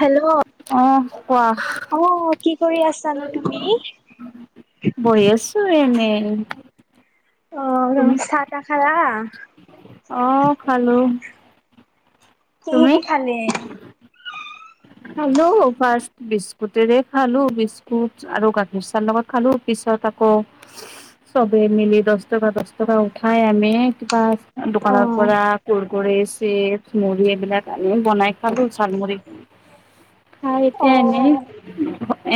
Hello অহ কোৱা। অ কি কৰি আছানো তুমি বহি আছো এনেই। অ ন তুমি চাহ-তাহ খালা? অ খালো। তুমি কিহিদি খালি? খালো ফাষ্ট বিস্কুটেৰে খালো বিস্কুট আৰু গাখীৰ চাৰ লগত খালো। পিছত আকৌ চবে মিলি দছ টকা, দছ টকা উঠাই আমি কিবা অ দোকানৰ পৰা কুৰকুৰি, চিপ, মুড়ি এইবিলাক আনি বনাই খালো জাল মুড়ি। খাই অ এতিয়া এনেই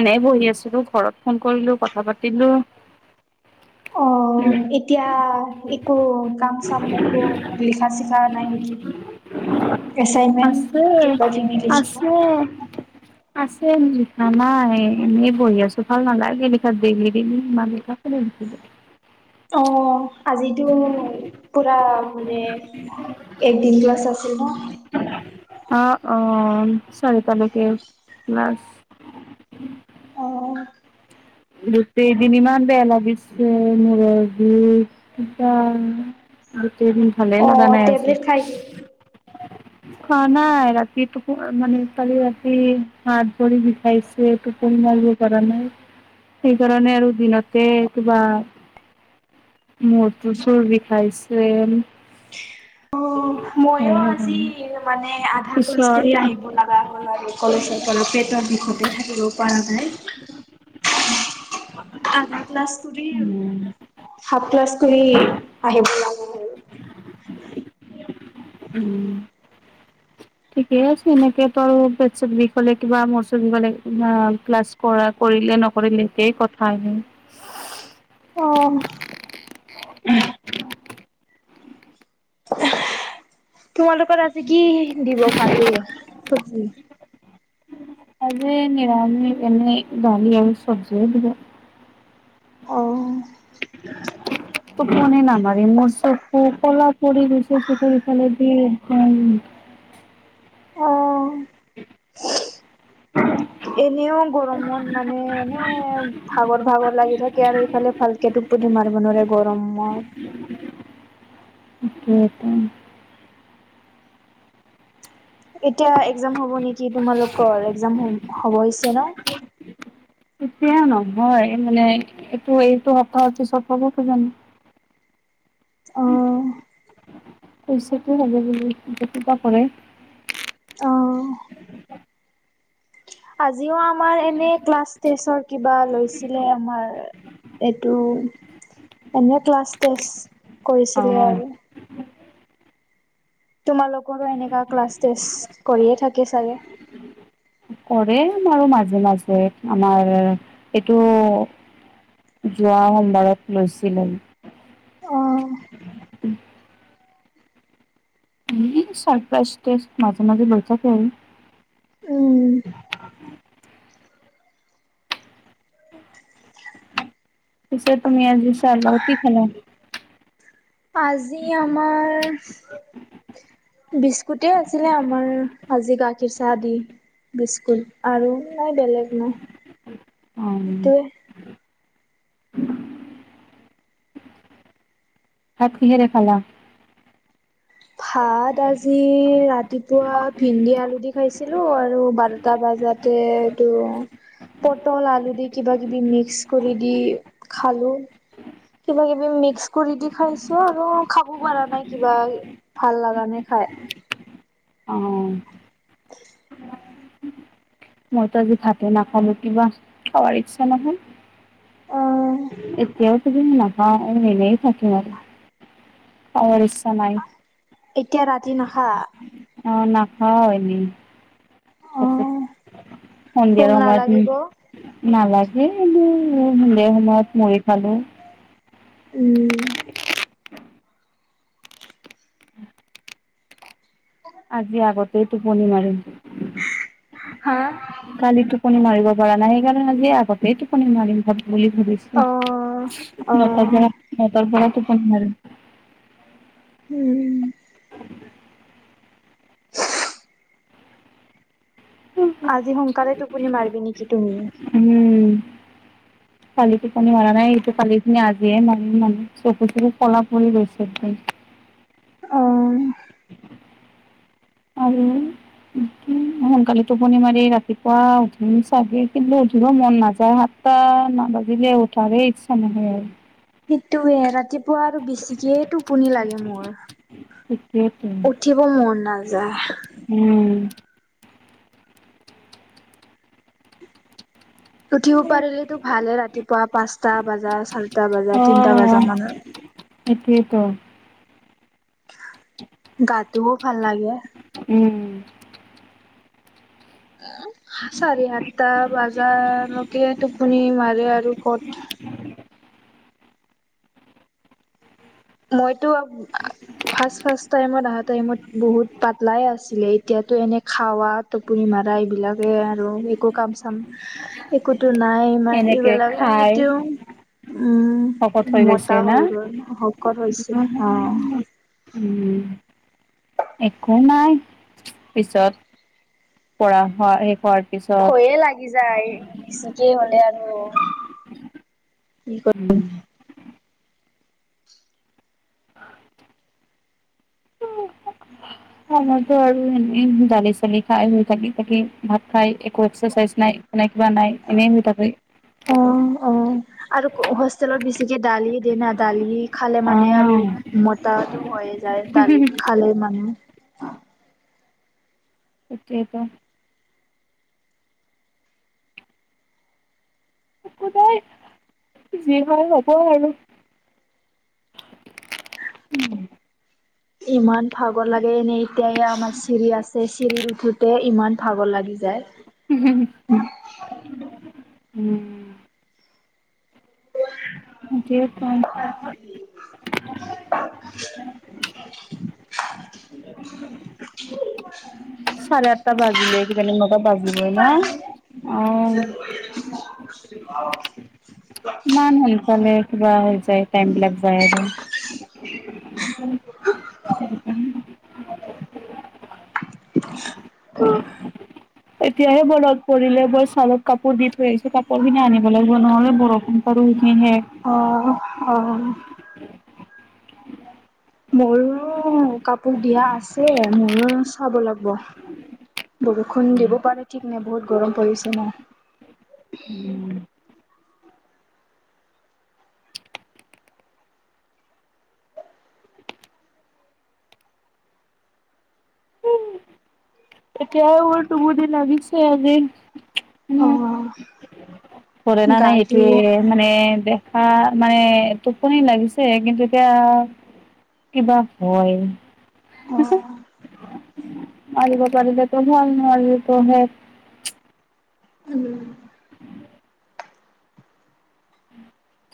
এনেই বহি আছিলো ঘৰত ফোন কৰিলো কথা পাতিলো। অ এতিয়া একো কাম-চাম একো লিখা-চিখা নাই নেকি? এচাইনমেন্ট, আছে কিবাকিবি লিখিব [unintelligible] আছে লিখা নাই এনেই বহি আছোঁ ভাল নালাগে লিখা দেইলি দেইলি ইমান লিখা। [unintelligible] অ। আজিতো পুৰা মানে একদিন ক্লাছ আছিল ন? অ অ চাৰিটা লৈকে ক্লাছ। অ গোটেই দিন ইমান বেয়া লাগিছে মূৰৰ বিষ কিবা গোটেইদিন ভালেই অ লাগা নাই আজি। টেবলেট খাই দি [inaudible] শুৱা নাই ৰাতি টোপু মানে কালি ৰাতি হাত ভৰি বিষাইছে, টোপনি মাৰিব পাৰা নাই। সেইকাৰণে আৰু দিনতে কিবা মূৰটো চুৰ বিষাইছিল। ময়' আজি মানে আধা ক্লাছ পিছত কৰি আহিব লাগ গা হল আৰু কলেজৰ পৰা পেটৰ বিষতে থাকিব পৰা নাই। আধা ক্লাছ কৰি, হাফ ক্লাছ কৰি আহিব লা উম। [inaudible] ঠিকেই আছে, এনেকে ত' পেট-চেট বিষ হ'লে, কিব, মোৰ-চোৰ বিষ হ'লে, প্লাছ কৰা, কৰিলে-নকৰিলে একেই কথা [unintelligible] অ'! [unintelligible] তোমালোকৰ আজি কি দিব? ভাতে, চুজি। আজি নিৰামিষ, এনেই দালি আৰু চবজিয়ে দিব। অ'! টোপনি নামাৰি, মোৰ চকু কলা পৰি গৈছে, চকু ইফালেদি, একদম। অ [unintelligible] এনেও গৰমত মানে, এনে ভাগৰ-ভাগৰ লাগি থাকে। আৰু এইফালে ভালকেতো [unintelligible] [unintelligible] এতিয়া, একজাম হ'ব নেকি তোমালোকৰ? একজাম হ'-হ'ব হৈছে ন'? এতিয়া নহয়। মানে, এইটো-এইটো সপ্তাহৰ পিছত হ'ব কিজানি। অ পইছাটো [unintelligible] কৰে। অ আজিও আমাৰ এনে, ক্লাছ টেষ্টৰ কিবা লৈছিলে, আমাৰ। এইটো, এনে ক্লাছ টেষ্ট অ কৰিছিলে আৰু। তোমালোকৰো এনেকা ক্লাছ টেষ্ট কৰিয়ে থাকে, চাগে? কৰে, আমাৰো মাজে-মাজে। আমাৰ এইটো, যোৱা সোমবাৰত লৈছিলোঁ। অ এনেই, চাৰপ্ৰাইজ টেষ্ট, মাজে-মাজে লৈ থাকে এনে। উম [inaudible] পিছে, তুমি আজি চাহৰ লগত কি খালা? আজি আমাৰ বিস্কুটে আছিলে আমাৰ, আজি গাখীৰ চাহ দি। বিস্কুট, আৰু নাই বেলেগ নাই, অ সেইটোৱে। [unintelligible] ভাত কিহেৰে খালা? ভাত আজি ৰাতিপুৱা, ভিন্দি-আলু দি ভাবিছিলোঁ, আৰু বাৰ টা বজাতে এইটো। পটল, আলু দি কিবা-কিবি মিক্স কৰি দি খালোঁ। কিবা-কিবি মিক্স কৰি দি খাইছোঁ আৰু খাব পৰা নাই কিবা। ভাল লগা নাই, খাই। অ'! মইতো আজি ভাতে নাখালোঁ, কিবা খাৱাৰ ইচ্ছা নহ'ল। অ এতিয়াও, তুমি নাখাওঁ, এনেই থাকিম আৰু। খাৱাৰ ইচ্ছা নাই। এতিয়া ৰাতি নাখা? অ'! নাখাওঁ এনেই। অ [unintelligible] ভোক সন্ধিয়াৰ সময়ত, নালাগিব উম। নালাগে [unintelligible] এই সময়ত মুড়ি খালোঁ। উম! [unintelligible] আজি, আগতেই টোপনি মাৰিম। হা? কালি টোপনি মাৰিব পৰা নাই। সেইকাৰণে, আজি আগতেই টোপনি মাৰিম, ভাব বুলি ভাবিছো, অ অ নটাৰ পৰা নটাৰ পৰা টোপনি মাৰিম। উম অহ আজি সোনকালে টোপনি মাৰিবি নেকি তুমি? উম [unintelligible] কালি টোপনি মৰা নাই, সেইটো কালিখিনি আজিয়ে মাৰিম মানে চকু তকু কলা পৰি গৈছে একদম। অহ। আৰু কি [inaudible] সোনকালে টোপনি মাৰি ৰাতিপুৱা উঠিম চাগে, কিন্তু উঠিব মন নাযায় হা সাতটা নাবাজিলেই উঠাৰেই ইচ্ছা নহয় আৰু। সেইটোয়ে ৰাতিপুৱা আৰু বেছিকেই টো পনি লাগে মোৰ, সেইটোৱেতো উঠিব মন নাযায়। উম উঠিব পাৰিলেতো ভালে ৰাতিপুৱা পাঁচটা বাজা চাৰিটা বাজা তিনটা বাজা মানত। সেইটোৱেইটো গাটোও ভাল লাগে। উম উ চাৰে সাতটা বাজালৈকে টোপনি মাৰে আৰু ক'ত মইতো আ ফাৰ্ষ্ট ফাৰ্ষ্ট টাইমত অহা টাইমত বহুত পাতলাই আছিলো এতিয়াতো এনে খাৱাত টোপনি মাৰা এইবিলাকে আৰু একো কাম চাম একোতো নাই ইমান এনেকে এইবিলাক আ খাই এতিয়াও শকত উম হৈ গৈছে মতা না হৈ গ'ল শকত হৈছে অ উ একো নাই পিছত পঢ়া হোৱা শেষ হোৱাৰ পিছত এ লাগি যায় বেছিকে হলে আৰু কি ক উম অ মইতো আৰু এনে দালি চালি খাই শুই থাকি থাকি ভাত খাই একো এক্সাৰচাইজ নাই এনেকোৱা নাই এনেই শুই থাকে। অ অ আৰু হোষ্টেলত বেছিকে দালিয়ে দিয়েনা দালি খালে মানে আৰু মতাটো হয়ে যায় দালি খালে মানে। তাকেতো একো নাই যি হয় হব আৰু উম ইমান ভাগৰ লাগে এনেই এতিয়া এ আমাৰ চিৰি আছে চিৰিত উঠোতে ইমান ভাগৰ লাগি যায়। উ হুহু উম কি কম [unintelligible] চাৰে আঠ টা বাজিলেই কিজানি নটা বাজিবই ন অ অ ইমান সোনকালে কিবা হৈ যায় টাইম বিলাক যায় আৰু। [unintelligible] [unintelligible] [inaudible] [inaudible] এতিয়াহে মনত পৰিলে মই চালত কাপোৰ দি থৈ আহিছো কাপোৰখিনি আনিব লাগিব নহ'লে বৰষুণ আৰু উঠি হে অ'অ' মৰো কাপোৰ দিয়া আছে মোৰো চাব লাগব। বৰষুণ দিব পাৰে ঠিক নাই বহুত গৰম পৰিছে ন'। উম, উম, উম। এতিয়া আৰু মোৰ টোপনি লাগিছে আজি। অ উম, পঢ়ে না নাই গাটো এইটোৱে। অ মানে দেখা মানে টোপনি লাগিছে কিন্তু এতিয়া কিবা হয় [unintelligible] চোৱালীবিলাকেও হ'ল [unintelligible] উম,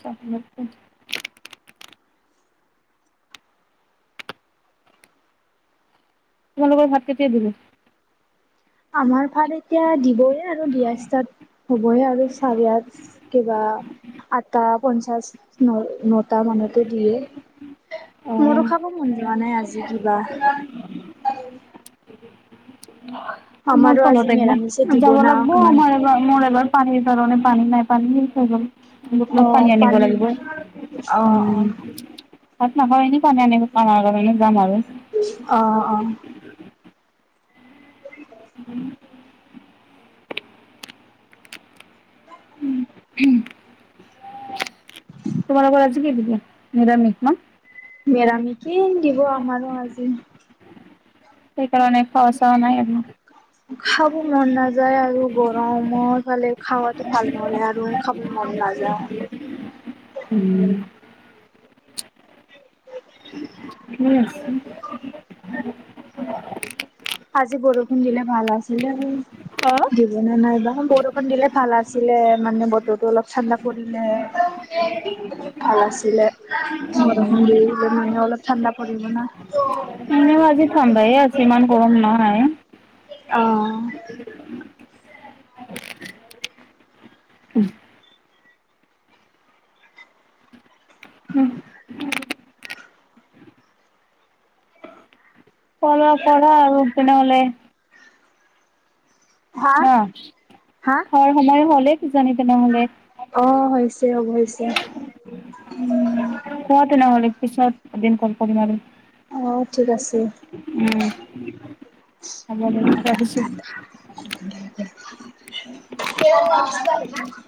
চব মত [unintelligible] তোমালোকৰ ভাত কেতিয়া দিব? আমাৰ ভাত এতিয়া দিবয়ে আৰু দিয়া ষ্টাৰ্ট হ'বহে আৰু [unintelligible] কিবা আঠটা পঞ্চাছ ন-নটা মানতে দিয়ে। মোৰো খাব যোৱা নাই আজি কিবা। [inaudible] মই আমাৰো আজি তলত একব মেৰামিছে দিব যাব না লাগব অকমান আমাৰ [unintelligible] মোৰ এবাৰ পানীৰ কাৰণে পানী নাই পানী শেষ হৈ গ'ল। বুটলত পানী লাগিবয়ে অ উম, অ ভাত নাখাও এনেই পানী আনিব যাম আৰু মাজে যাম আৰু। অ' অ' [inaudible] হুম, তোমালোকৰ আজি কি দিলে নিৰামিষ ন? নিৰামিকে দিব আমাৰ আজি। সেইকাৰণে খাৱা চাৱা নাই আৰু। খাব মন নাযায় আৰু গৰম ইফালে। খাৱাটো ভাল নহ'লে আৰু খাবলে মন নাযায়। হম, ঠিকে আছে। আজি বৰষুণ দিলে ভাল আছিলে অ', [unintelligible] দিব নে নাই নাইবা বৰ ষুণ দিলে ভাল আছিলে মানে বতৰটো অলপ ঠাণ্ডা পৰিলে ভাল আছিলে উম বৰষুণ দিলে মানে অলপ ঠাণ্ডা পৰিব না। [unintelligible] এনেও আজি ঠাণ্ডাই আছে ইমান গৰম নাই। অ', পঢ়া, পঢ়া আৰু তেনে হ'লে। হা ন' হা খোৱাৰ সময় হলে কিজানি তেনেহ'লে? অ' হৈছে হ'ব হৈছে। কোৱা তেনেহ'লে পিছত এদিন কল কৰিম আৰু। অ ঠিক আছে। উম হ'ব দে ৰাখিছোঁ [unintelligible]